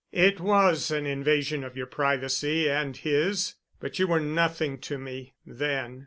"It was an invasion of your privacy—and his—but you were nothing to me—then.